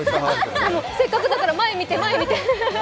せっかくだから前見て、前見て。